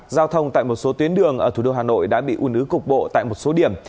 giao thông tại một số tuyến đường ở thủ đô hà nội đã bị u nứ cục bộ tại một số điểm